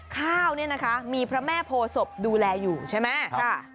ข้าวมีพระแม่โพศพดูแลอยู่ใช่ไหม